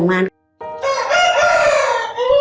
ให้มาให้คุ้บความอยู่ที่นั้น